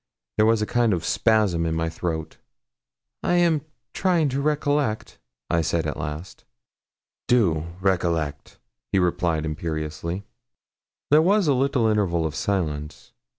There was a kind of spasm in my throat. 'I am trying to recollect,' I said at last. 'Do recollect,' he replied imperiously. There was a little interval of silence.